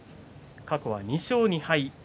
過去は２勝２敗です。